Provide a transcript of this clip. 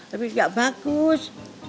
tapi gak bagus